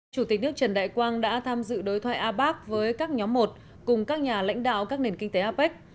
chủ tịch nước trần đại quang đã tham dự đối thoại apec với các nhóm một cùng các nhà lãnh đạo các nền kinh tế apec